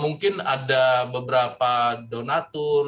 mungkin ada beberapa donatur